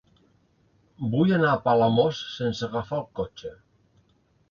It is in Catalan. Vull anar a Palamós sense agafar el cotxe.